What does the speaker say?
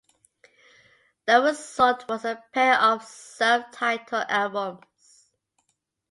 The result was a pair of self-titled albums.